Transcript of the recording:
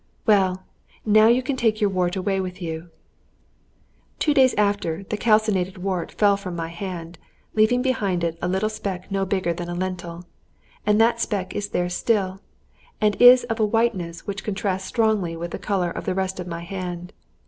"Well, now you can take your wart away with you." Two days after, the calcined wart fell from my hand, leaving behind it a little speck no bigger than a lentil; and that speck is there still, and is of a whiteness which contrasts strongly with the colour of the rest of the hand.